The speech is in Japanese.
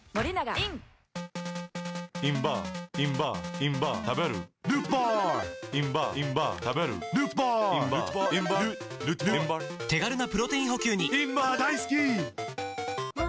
インバー大好き！